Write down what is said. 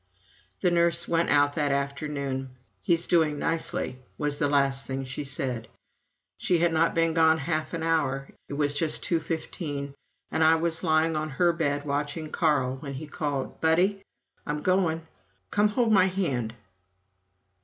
The nurse went out that afternoon. "He's doing nicely," was the last thing she said. She had not been gone half an hour it was just two fifteen and I was lying on her bed watching Carl, when he called, "Buddie, I'm going come hold my hand."